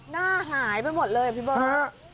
หน้าหายไปหมดเลยพี่บ้าบ้า